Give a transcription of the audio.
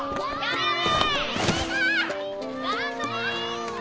・・頑張れ！